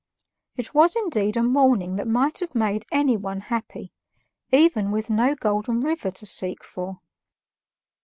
It was indeed a morning that might have made anyone happy, even with no Golden River to seek for.